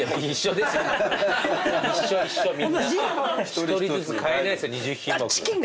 一人ずつ変えないですよ２０品目。